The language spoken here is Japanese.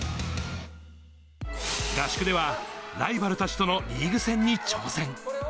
合宿では、ライバルたちとのリーグ戦に挑戦。